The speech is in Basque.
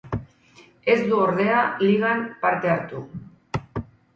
Ez du ordea Ligan parte hartu.